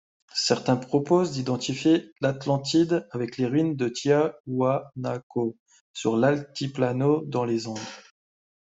Certains proposent d'identifier l'Atlantide avec les ruines de Tiahuanaco, sur l'Altiplano dans les Andes.